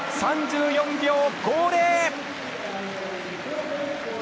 ３４秒５０！